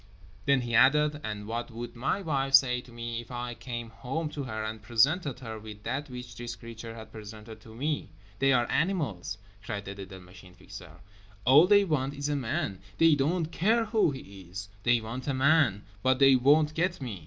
_" Then he added: "And what would my wife say to me if I came home to her and presented her with that which this creature had presented to me? They are animals," cried the little Machine Fixer; "all they want is a man. They don't care who he is; they want a man. But they won't get me!"